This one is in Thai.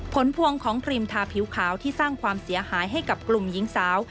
ผลพวงของครีมทาผิวขาวที่สร้างความเสียหายให้กับกลุ่มหญิงสาว